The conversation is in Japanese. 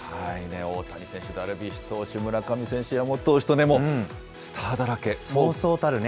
大谷選手、ダルビッシュ投手、村上選手、山本投手とね、スターそうそうたるね。